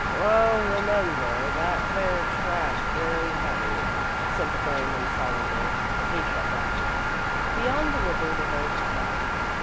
"Wall, remember that there trap's very heavy," said the ferryman solemnly, as he shoved off. Beyond the river the hills began.